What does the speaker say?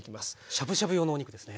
しゅぶしゅぶ用のお肉ですね。